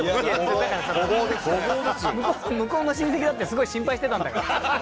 向こうの親戚だってすごい心配してたんだから。